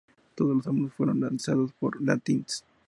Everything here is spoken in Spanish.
Todos los álbumes fueron lanzados por Lantis.